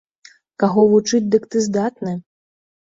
Каго вучыць, дык ты здатны!